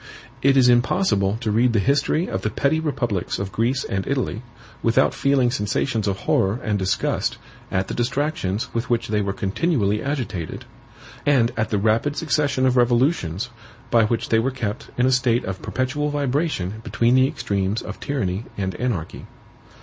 It is impossible to read the history of the petty republics of Greece and Italy without feeling sensations of horror and disgust at the distractions with which they were continually agitated, and at the rapid succession of revolutions by which they were kept in a state of perpetual vibration between the extremes of tyranny and anarchy.